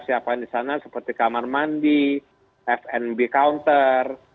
jadi kita siapkan di sana seperti kamar mandi f b counter